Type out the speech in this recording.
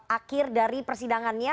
akhir dari persidangannya